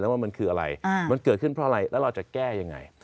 ว่ามันคืออะไรมันเกิดขึ้นเพราะอะไรแล้วเราจะแก้ยังไง